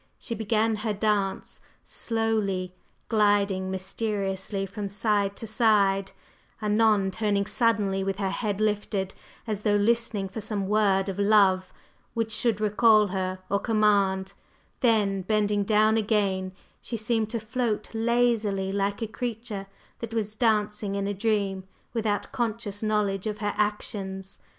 She began her dance slowly, gliding mysteriously from side to side, anon turning suddenly with her head lifted, as though listening for some word of love which should recall her or command; then, bending down again, she seemed to float lazily like a creature that was dancing in a dream without conscious knowledge of her actions.